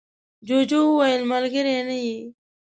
جوجو وویل ملگری نه یې.